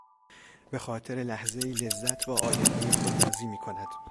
به خاطر لحظهای لذت با آیندهی خود بازی میکند.